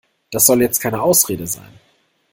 Das soll jetzt keine Ausrede sein.